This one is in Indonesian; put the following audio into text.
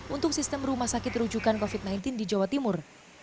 untuk sistem rumah sakit rujukan covid sembilan belas di jawa timur